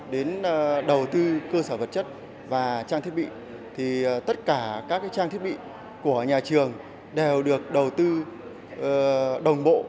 đến đầu tư cơ sở vật chất và trang thiết bị thì tất cả các trang thiết bị của nhà trường đều được đầu tư đồng bộ